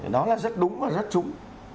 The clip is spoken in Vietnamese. đó là rất đúng và rất trúng